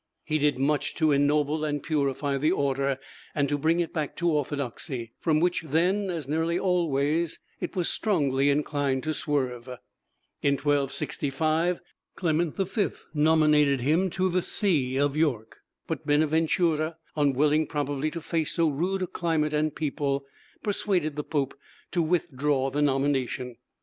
He did much to ennoble and purify the order, and to bring it back to orthodoxy, from which then, as nearly always, it was strongly inclined to swerve. In 1265 Clement V. nominated him to the see of York; but Bonaventura, unwilling probably to face so rude a climate and people, persuaded the Pope to withdraw the nomination.